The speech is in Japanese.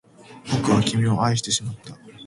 僕は君を愛してしまった